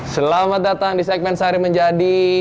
selamat datang di segmen sehari menjadi